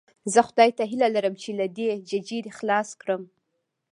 زه خدای ته هیله لرم چې له دې ججې دې خلاص کړم.